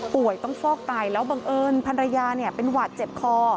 ต้องฟอกไตแล้วบังเอิญภรรยาเป็นหวาดเจ็บคอ